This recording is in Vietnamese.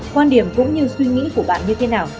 quan điểm cũng như suy nghĩ của bạn như thế nào